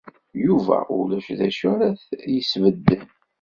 Yuba ulac d acu ara t-yesbedden.